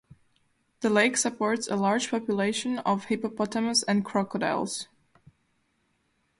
The lake supports a large population of hippopotamus and crocodiles.